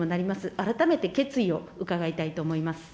改めて決意を伺いたいと思います。